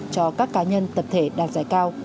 cho các cá nhân tập thể đạt giải cao